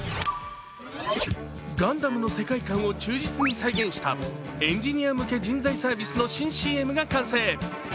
ガンダムの世界観を忠実に再現したエンジニア向け人材サービスの新ＣＭが完成。